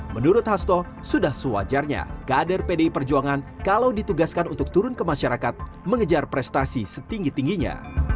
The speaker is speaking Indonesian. menurut hasto sudah sewajarnya kader pdi perjuangan kalau ditugaskan untuk turun ke masyarakat mengejar prestasi setinggi tingginya